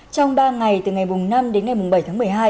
trong ba ngày từ ngày năm đến ngày bảy tháng một mươi hai